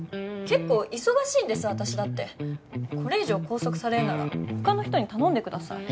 結構忙しいんです私だってこれ以上拘束されるなら他の人に頼んでください